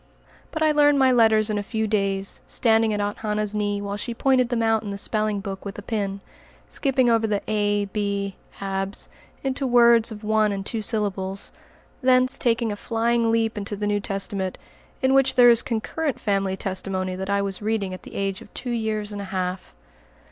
But I learned my letters in a few days, standing at Aunt Hannah's knee while she pointed them out in the spelling book with a pin, skipping over the "a b abs" into words of one and two syllables, thence taking a flying leap into the New Testament, in which there is concurrent family testimony that I was reading at the age of two years and a half.